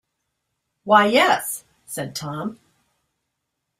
“Why, yes,” said Tom.